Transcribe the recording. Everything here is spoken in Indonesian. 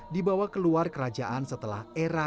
dibawa keluar kerajaan setelah era